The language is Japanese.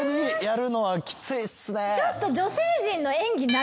ちょっと。